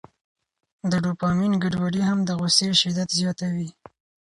د ډوپامین ګډوډي هم د غوسې شدت زیاتوي.